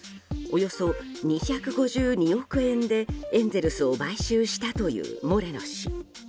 およそ２５２億円でエンゼルスを買収したというモレノ氏。